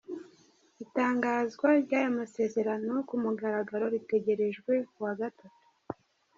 Itangazwa ry'aya masezerano ku mugaragaro ritegerejwe ku wa Gatatu.